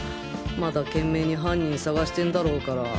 まだ懸命に犯人捜してんだろうから。